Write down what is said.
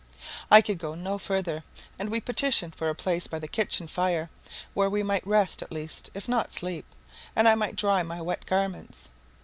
I could go no further, and we petitioned for a place by the kitchen fire, where we might rest, at least, if not sleep, and I might dry my wet garments.